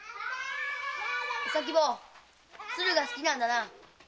お咲坊鶴が好きなんだな。